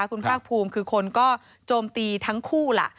คุณภาคภูมิคือคนก็โจมตีทั้งคู่ล่ะ